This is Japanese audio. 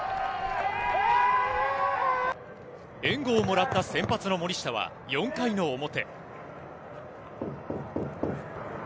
援護をもらった先発の森下は４回の表。